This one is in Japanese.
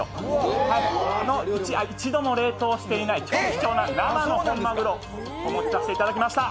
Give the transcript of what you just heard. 一度も冷凍していない超貴重な生の本マグロをお持ちさせていただきました。